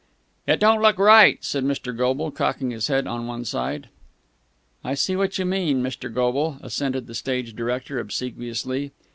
"It don't look right!" said Mr. Goble, cocking his head on one side. "I see what you mean, Mr. Goble," assented the stage director obsequiously.